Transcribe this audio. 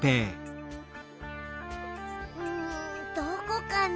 うんどこかな？